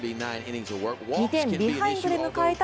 ２点ビハインドで迎えた